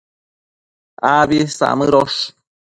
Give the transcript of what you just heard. Abi samëdosh